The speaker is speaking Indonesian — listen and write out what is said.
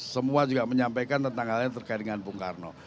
semua juga menyampaikan tentang hal yang terkait dengan bung karno